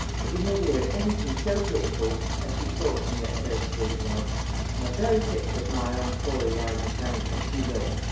But you never hear any think so pitiful as she talked to me at fust, sweet love! and the very picture of my own poor Eliza Jane, as she looked.